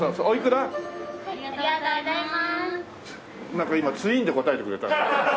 なんか今ツインで答えてくれたね。